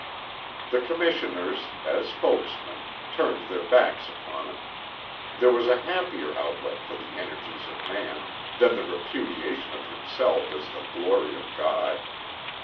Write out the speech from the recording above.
The commissioners, as spokesmen, turned their back upon it. There was a happier outlet for the energies of man than the repudiation of himself as the glory of God.